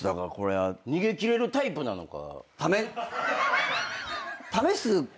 逃げ切れるタイプなのか。